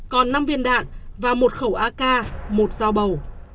còn năm viên đạn và một khẩu ak một dao bầu